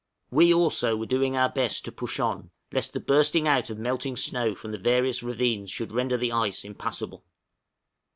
We also were doing our best to push on, lest the bursting out of melting snow from the various ravines should render the ice impassable.